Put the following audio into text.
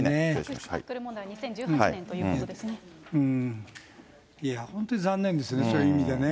タックル問題、いや、本当に残念ですね、そういう意味でね。